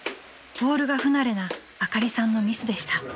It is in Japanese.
［ホールが不慣れなあかりさんのミスでした］